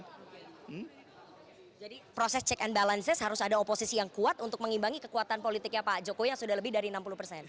jadi proses check and balance harus ada oposisi yang kuat untuk mengimbangi kekuatan politiknya pak joko yang sudah lebih dari enam puluh persen